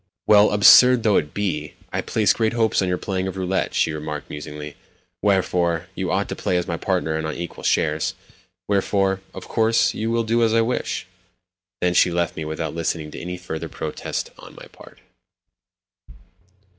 "Well, absurd though it be, I place great hopes on your playing of roulette," she remarked musingly; "wherefore, you ought to play as my partner and on equal shares; wherefore, of course, you will do as I wish." Then she left me without listening to any further protests on my part.